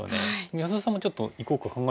安田さんもちょっと行こうか考えてた。